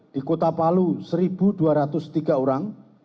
di kota palu satu dua ratus tiga orang